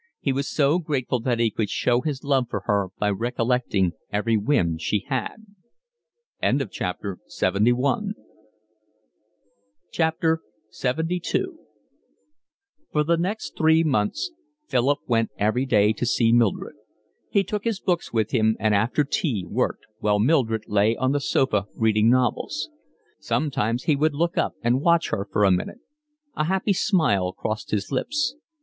He was so grateful that he could show his love for her by recollecting every whim she had. LXXII For the next three months Philip went every day to see Mildred. He took his books with him and after tea worked, while Mildred lay on the sofa reading novels. Sometimes he would look up and watch her for a minute. A happy smile crossed his lips.